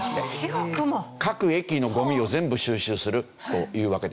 各駅のゴミを全部収集するというわけで。